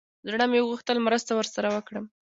زړه مې وغوښتل مرسته ورسره وکړم.